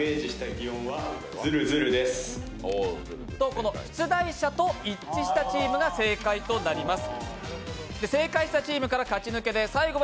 この出題者と一致したチームが正解となります。